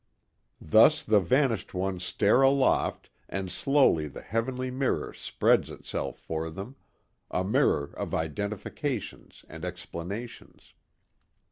Thus the vanished ones stare aloft and slowly the heavenly mirror spreads itself for them a mirror of identifications and explanations.